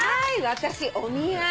私お見合い。